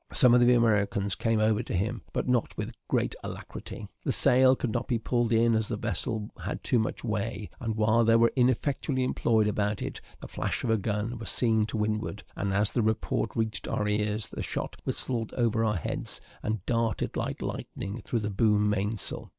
Some of the Americans came over to him, but not with very great alacrity. The sail could not be pulled in, as the vessel had too much way; and while they were ineffectually employed about it, the flash of a gun was seen to windward; and as the report reached our ears, the shot whistled over our heads, and darted like lightning through the boom mainsail.